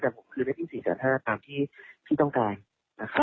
แต่ผมคืนได้ถึง๔๕๐๐ตามที่พี่ต้องการนะครับ